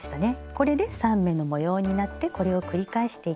これで３目の模様になってこれを繰り返していきます。